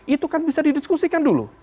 itu kan bisa didiskusikan dulu